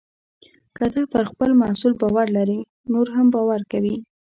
که ته پر خپل محصول باور لرې، نور هم باور کوي.